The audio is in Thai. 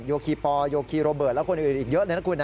คีปอลโยคีโรเบิร์ตและคนอื่นอีกเยอะเลยนะคุณ